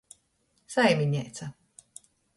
Saimineica.